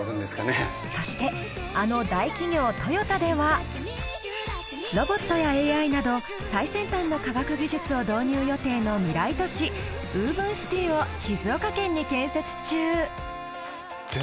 そしてあの大企業「トヨタ」ではロボットやＡＩなど最先端の科学技術を導入予定の未来都市ＷｏｖｅｎＣｉｔｙを静岡県に建設中。